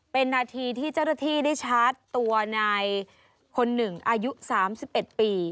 เป็นนาทีที่เจ้าหน้าที่ได้ชาร์จตัวนายคนหนึ่งอายุ๓๑ปี